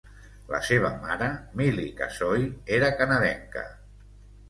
La seva mare, Milli Kasoy, era canadenca.